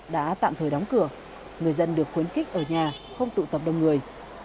đã tạm thời đóng cửa người dân được khuyến khích ở nhà không tụ tập đông người